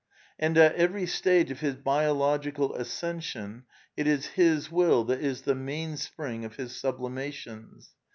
And at every stage of his biological ascen \ sion it is his will that is the mainspring of his sublima tions.